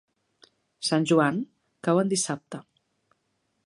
Sant Joan cau en dissabte.